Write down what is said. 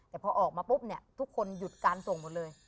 แต่พอออกมาปุ๊บเนี่ยทุกคนหยุดการส่งหมดเลย